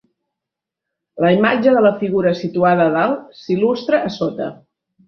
La imatge de la figura situada a dalt s'il·lustra a sota.